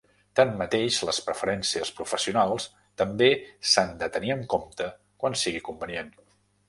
Tanmateix, les preferències professionals també s'han de tenir en compte quan sigui convenient.